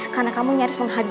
karena kamu nyaris menghapusnya